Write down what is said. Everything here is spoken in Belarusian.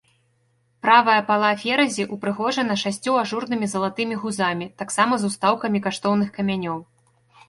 Правая пала феразі ўпрыгожана шасцю ажурнымі залатымі гузамі таксама з устаўкамі каштоўных камянёў.